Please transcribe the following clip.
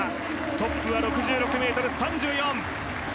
トップは６６ｍ３４。